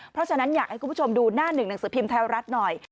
เพราะฉะนั้นอยากให้คุณผู้ชมดูหน้าหนึ่งหนังสือพิมพ์ไทยรัฐหน่อย